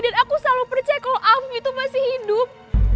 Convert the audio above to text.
dan aku selalu percaya kalo afif itu masih hidup